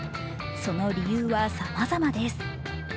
その理由はさまざまです。